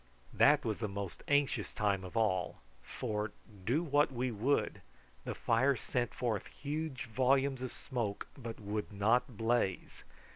That was the most anxious time of all, for, do what we would, the fire sent forth huge volumes of smoke, but would not blaze.